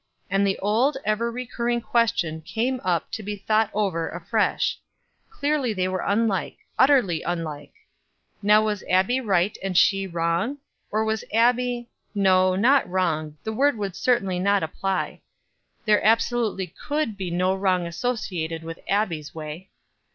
And the old ever recurring question came up to be thought over afresh. Clearly they were unlike utterly unlike. Now was Abbie right and she wrong? or was Abbie no, not wrong, the word would certainly not apply; there absolutely could be no wrong connected with Abbie's way.